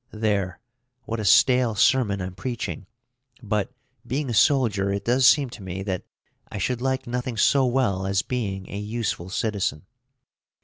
There, what a stale sermon I'm preaching. But, being a soldier, it does seem to me that I should like nothing so well as being a useful citizen.